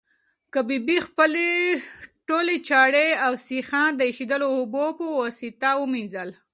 کبابي خپلې ټولې چړې او سیخان د ایشېدلو اوبو په واسطه ومینځل.